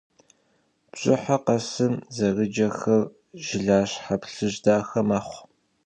Бжьыхьэр къэсым зэрыджэхэр жылащхьэ плъыжь дахэ мэхъу.